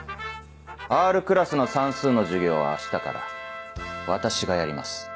Ｒクラスの算数の授業は明日から私がやります。